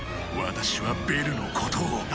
私はベルのことを。